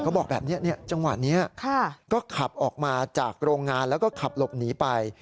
บอกแบบนี้จังหวะนี้ก็ขับออกมาจากโรงงานแล้วก็ขับหลบหนีไป